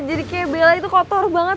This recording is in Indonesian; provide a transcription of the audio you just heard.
jadi kayak bella itu kotor banget